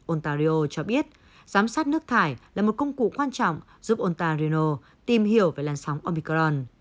ontario cho biết giám sát nước thải là một công cụ quan trọng giúp onta rino tìm hiểu về làn sóng omicron